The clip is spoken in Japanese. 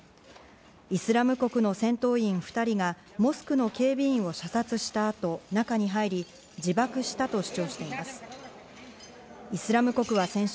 イスラム国の戦闘員２人がモスクの警備員を射殺した後、中に入り自爆したと主張しています。